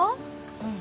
うん。